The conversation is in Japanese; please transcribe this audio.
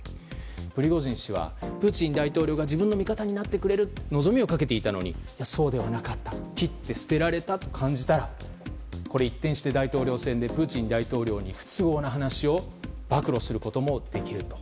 プリゴジン氏はプーチン大統領が自分の味方になってくれると望みをかけていたのにそうではなかった切って捨てられたと感じたら、一転して大統領選でプーチン大統領に不都合な話を暴露することもできる。